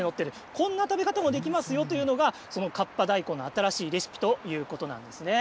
こんな食べ方もできますよというのが、その河童大根の新しいレシピということなんですね。